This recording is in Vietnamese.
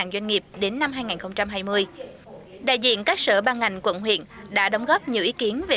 doanh nghiệp đến năm hai nghìn hai mươi đại diện các sở ban ngành quận huyện đã đóng góp nhiều ý kiến về